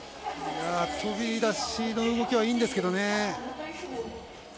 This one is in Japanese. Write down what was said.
飛び出しの動きはいいんですけどね。